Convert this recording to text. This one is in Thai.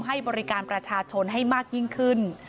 ให้บริการประชาชนให้มากยิ่งขึ้น